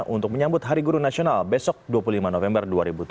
untuk menyambut hari guru nasional besok dua puluh lima november dua ribu tujuh belas